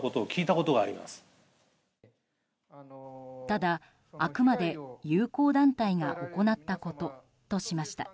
ただ、あくまで友好団体が行ったこととしました。